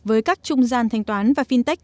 với các trung gian thanh toán và fintech